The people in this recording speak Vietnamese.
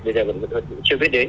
bây giờ vẫn chưa biết đến